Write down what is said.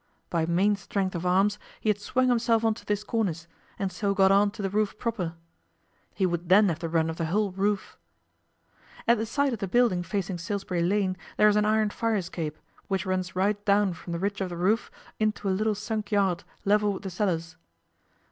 By main strength of arms he had swung himself on to this cornice, and so got on to the roof proper. He would then have the run of the whole roof. At the side of the building facing Salisbury Lane there is an iron fire escape, which runs right down from the ridge of the roof into a little sunk yard level with the cellars.